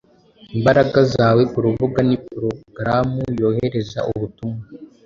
imbaraga zawe kurubuga ni porogaramu yohereza ubutumwa